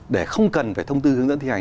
để không cần phải thông tư hướng dẫn thi hành